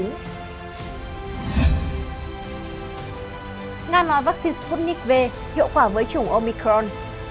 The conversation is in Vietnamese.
nga vaccine sputnik v hiệu quả với chủng omicron